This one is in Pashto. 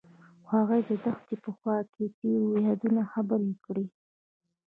هغوی د دښته په خوا کې تیرو یادونو خبرې کړې.